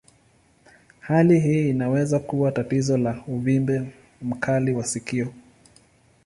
Hali hii inaweza kuwa tatizo la uvimbe mkali wa sikio.